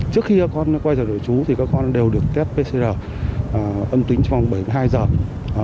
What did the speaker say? trước khi các con quay vào đội chú thì các con đều được tết pcr âm tính trong bảy mươi hai giờ